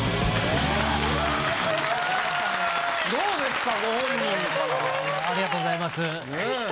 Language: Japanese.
どうですか？